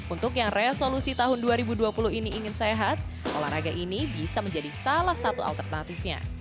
untuk yang resolusi tahun dua ribu dua puluh ini ingin sehat olahraga ini bisa menjadi salah satu alternatifnya